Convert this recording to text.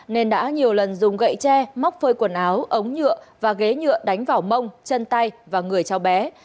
nên đã nhiều lần dùng gậy tre móc phơi quần áo ống nhựa và ghế nhựa đánh vào mông chân tay và người cháu bé